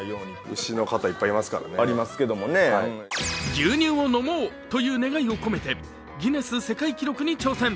牛乳を飲もうという願いを込めてギネス世界記録に挑戦。